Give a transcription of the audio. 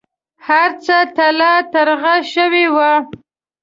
هرڅه تالا ترغه شوي و.